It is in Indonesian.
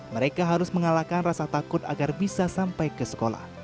mereka harus mengalahkan rasa takut agar bisa sampai ke sekolah